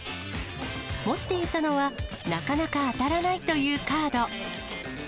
持っていたのは、なかなか当たらないというカード。